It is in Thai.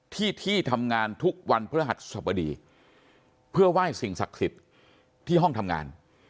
ที่ที่ทำงานทุกวันพฤหัสสบดีเพื่อไหว้สิ่งศักดิ์สิทธิ์ที่ห้องทำงาน